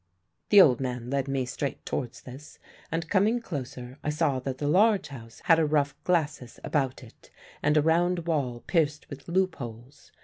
"The old man led me straight towards this, and, coming closer, I saw that the large house had a rough glacis about it and a round wall pierced with loopholes.